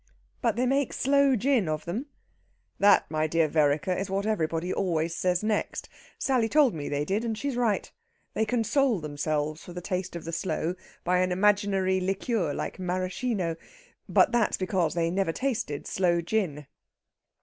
"But they make sloe gin of them?" "That, my dear Vereker, is what everybody always says next. Sally told me they did, and she's right. They console themselves for the taste of the sloe by an imaginary liqueur like maraschino. But that's because they never tasted sloe gin."